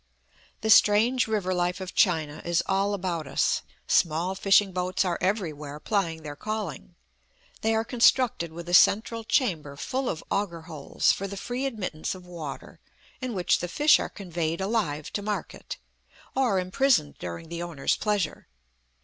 The strange river life of China is all about us; small fishing boats are everywhere plying their calling. They are constructed with a central chamber full of auger holes for the free admittance of water, in which the fish are conveyed alive to market, or imprisoned during the owner's pleasure.